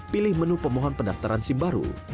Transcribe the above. pilih menu pemohon pendaftaran sim baru